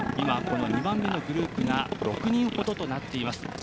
この２番目のグループが６人ほどとなっています。